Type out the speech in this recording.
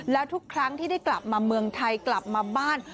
แล้วทุกครั้งที่ได้กลับมาเมืองไทยกลับมาบ้าน